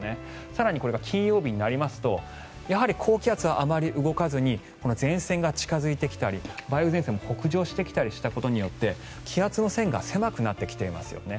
更にこれが金曜日になりますとやはり高気圧はあまり動かずに前線が近付いてきたり梅雨前線も北上してきたりすることによって気圧の線が狭くなってきていますよね。